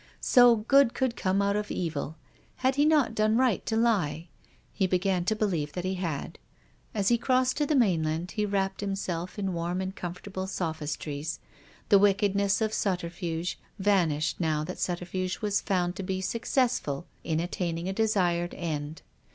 So good could come out of evil. Had he not done right to lie? He began to believe that he had. As he crossed to the mainland he wrapped himself in warm and comfortable sophistries. The wickedness of sub terfuge vanished now that subterfuge was found to be successful in attaining a desired end.